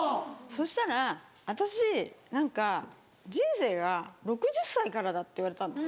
そしたら私何か人生が６０歳からだって言われたんです。